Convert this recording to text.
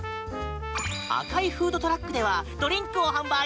赤いフードトラックではドリンクを販売。